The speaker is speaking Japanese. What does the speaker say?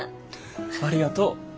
ありがとう！